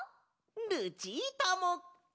ルチータも！